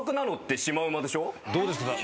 どうですか？